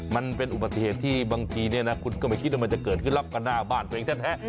มันเป็นอุบัติเหตุที่บางทีเนี่ยนะคุณก็ไม่คิดว่ามันจะเกิดขึ้นแล้วก็หน้าบ้านตัวเองแท้